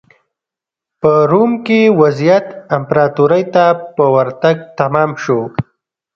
په روم کې وضعیت امپراتورۍ ته په ورتګ تمام شو.